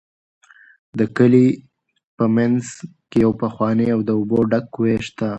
د کلي په منځ کې یو پخوانی او د اوبو ډک کوهی شته.